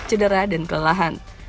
cedera dan kemurahan